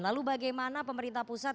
lalu bagaimana pemerintah pusat